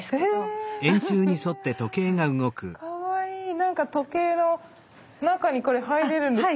何か時計の中にこれ入れるんですか？